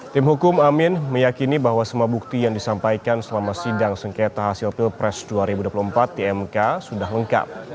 tim hukum amin meyakini bahwa semua bukti yang disampaikan selama sidang sengketa hasil pilpres dua ribu dua puluh empat di mk sudah lengkap